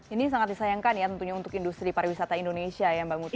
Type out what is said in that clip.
ini sangat disayangkan ya tentunya untuk industri pariwisata indonesia ya mbak muti